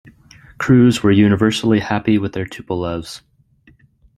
Crews were universally happy with their Tupolevs.